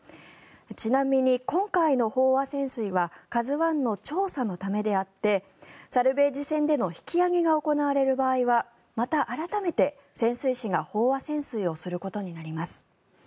ちなみに、今回の飽和潜水は「ＫＡＺＵ１」の調査のためであってサルベージ船での引き揚げが行われる場合は、また改めて潜水士が飽和潜水をすることになります。